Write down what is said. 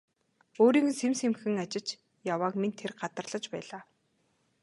Өөрийг нь сэм сэмхэн ажиж явааг минь тэр гадарлаж байлаа.